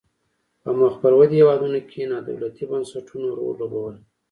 په مخ پر ودې هیوادونو کې نا دولتي بنسټونو رول لوبولای.